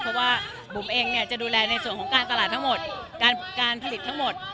เพราะว่าบุ๋มเองเนี่ยจะดูแลในส่วนของการตลาดทั้งหมดการผลิตทั้งหมด